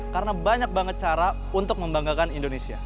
karena banyak banget cara untuk membanggakan indonesia